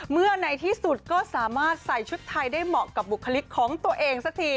ในที่สุดก็สามารถใส่ชุดไทยได้เหมาะกับบุคลิกของตัวเองสักที